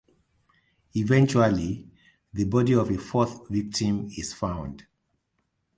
Eventually, the body of a fourth victim is found.